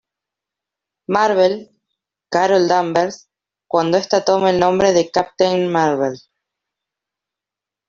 Marvel, Carol Danvers, cuando esta toma el nombre de Captain Marvel.